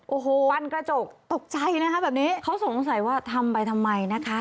โอ้โหปันกระจกตกใจนะคะแบบนี้เขาสงสัยว่าทำไปทำไมนะคะ